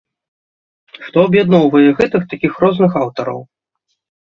Што аб'ядноўвае гэтых такіх розных аўтараў?